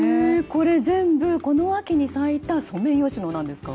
これ全部この秋に咲いたソメイヨシノなんですか？